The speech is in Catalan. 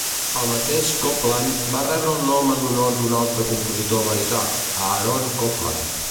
El mateix Copland va rebre el nom en honor d'un altre compositor americà, Aaron Copland.